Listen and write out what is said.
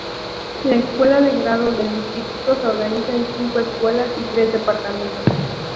La Escuela de Grado del Instituto se organiza en cinco escuelas y tres departamentos.